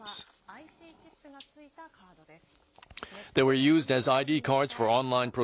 ＩＣチップが付いたカードです。